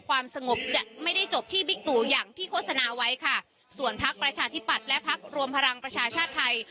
ความสงบจะไม่ได้จบที่บิ๊กตูอย่างที่โฆษณาไว้ค่ะส่วนพักประชาธิปัตย์และพักรวมพลังประชาชาติไทย